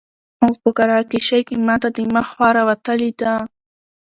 او په قرعه کشي کي ماته د مخ خوا راوتلي ده